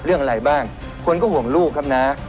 เรื่องอะไรบ้างคนก็ห่วงลูกครับน้า